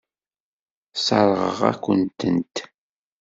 Sseṛɣeɣ-akent-tent.